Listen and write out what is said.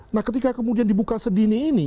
nah ketika kemudian dibuka sedini ini